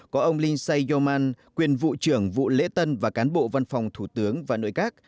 có ông linksay yoman quyền vụ trưởng vụ lễ tân và cán bộ văn phòng thủ tướng và nội các